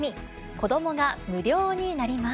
子どもが無料になります。